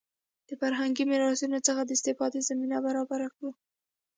د فرهنګي میراثونو څخه د استفادې زمینه برابره کړو.